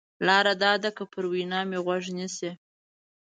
لار دا ده که پر وینا مې غوږ نیسې.